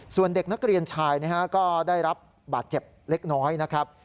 ส่วนเด็กนักเรียนชายก็ได้รับบาดเจ็บเล็กน้อยนะครับ